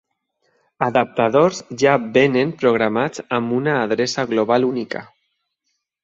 Adaptadors ja vénen programats amb una adreça global única.